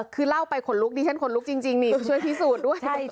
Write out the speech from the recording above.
คือเล่าไปขนลุกดิฉันขนลุกจริงนี่ช่วยพิสูจน์ด้วย